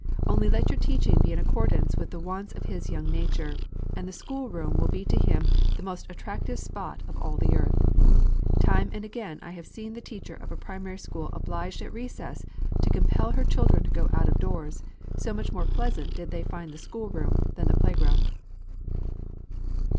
Only let your teaching be in accordance with the wants of his young nature, and the school room will be to him the most attractive spot of all the earth. Time and again have I seen the teacher of a primary school obliged at recess to compel her children to go out of doors, so much more pleasant did they find the school room than the play ground.